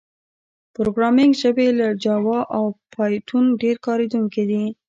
پروګرامینګ ژبې لکه جاوا او پایتون ډېر کارېدونکي دي.